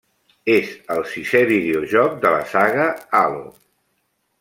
És el sisè videojoc de la saga Halo.